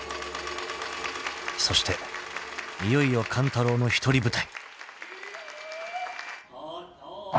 ［そしていよいよ勘太郎の一人舞台］